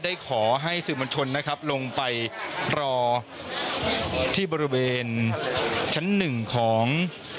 ขอให้สื่อมวลชนนะครับลงไปรอที่บริเวณชั้นหนึ่งของ